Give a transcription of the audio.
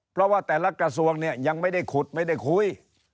เพราะว่าแต่ละกระทรวงเนี่ยยังไม่ได้ขุดไม่ได้คุย